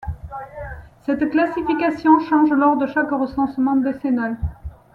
Cette classification change lors de chaque recensement décennal.